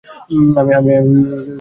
আমি কুমারকে ত্যাগ করে যাবো না।